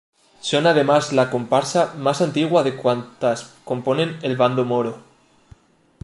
Son además, la comparsa más antigua de cuantas componen el bando moro.